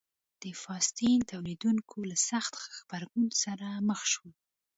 د فاسټین تولیدوونکو له سخت غبرګون سره مخ شول.